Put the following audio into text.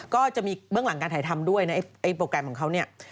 ก็จะมีเบื้องหลังการถ่ายทำด้วยนะไอ้โปรแกรมของเขาเนี่ย